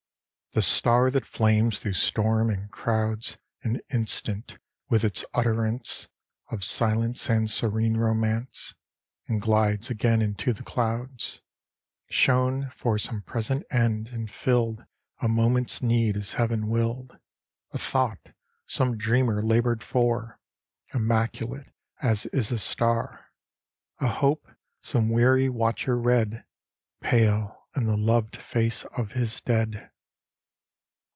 The star, that flames through storm and crowds An instant with its utterance Of silence and serene romance, And glides again into the clouds, Shone for some present end; and filled A moment's need as Heaven willed: A thought, some dreamer labored for, Immaculate as is a star; A hope, some weary watcher read Pale in the loved face of his dead.